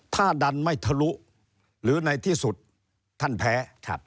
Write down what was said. ถ้าดันไม่ทะลุหรือในที่สุดท่านแพ้